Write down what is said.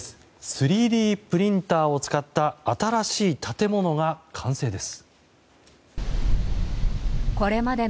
３Ｄプリンターを使った新しい建物が完成です。